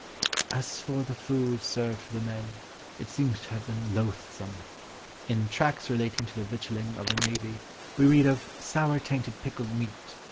As for the food served for the men, it seems to have been loathsome. In Tracts relating to the Victualling of the Navy, we read of "sour tainted pickled meat.